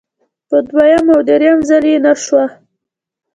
په دویم او دریم ځل چې نشوه.